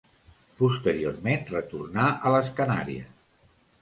Posteriorment retornà a les Canàries.